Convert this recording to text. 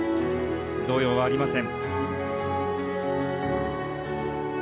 動揺はありません。